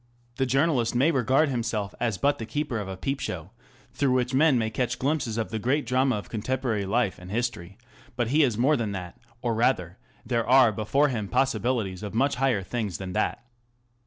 The journalist may regard himself as but the keeper of a peep show, through which men may catch glimpses of the great drama of contemporary life and history ; but he is more than that, or rather there are before him possibilities of much higher things than that.